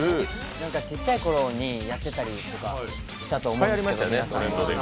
ちっちゃいころにやっていたと思うんですけど、皆さん。